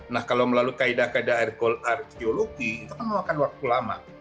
nah kalau melalui kaidah kaidah arkeologi itu kan memakan waktu lama